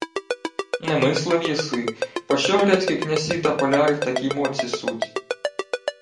— Не мислив єси, пощо грецькі князі та боляри в такій моці суть?